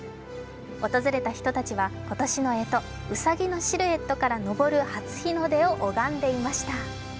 訪れた人たちは今年のえと、うさぎのシルエットから昇る初日の出を拝んでいました。